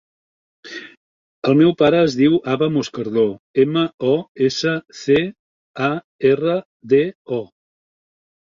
El meu pare es diu Abba Moscardo: ema, o, essa, ce, a, erra, de, o.